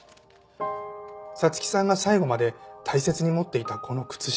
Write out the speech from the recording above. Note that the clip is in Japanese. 彩月さんが最後まで大切に持っていたこの靴下。